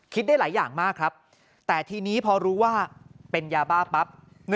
ได้หลายอย่างมากครับแต่ทีนี้พอรู้ว่าเป็นยาบ้าปั๊บ